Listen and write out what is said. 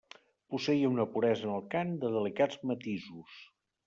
Posseïa una puresa en el cant de delicats matisos.